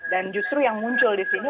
justru yang muncul di sini